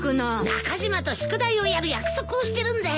中島と宿題をやる約束をしてるんだよ。